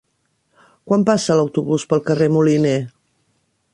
Quan passa l'autobús pel carrer Moliné?